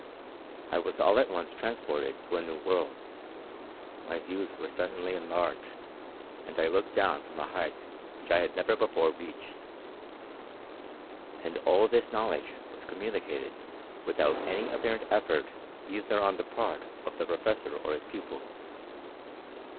I was all at once transported into a new world — my views were suddenly enlarged, and I looked down from a height which I had never before reached ; and all this knowledge was communicated without any apparent effort either on the part of the professor or his pupils.